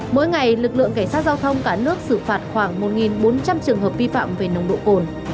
mỗi ngày lực lượng cảnh sát giao thông cả nước xử phạt khoảng một bốn trăm linh trường hợp vi phạm về nồng độ cồn